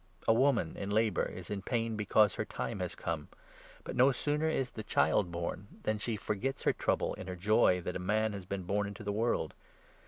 A woman 21 in labour is in pain because her time has come ; but no sooner is the child born, than she forgets her trouble in her joy that a man has been born into the world.